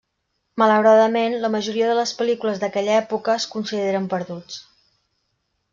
Malauradament, la majoria de les pel·lícules d'aquella època es consideren perduts.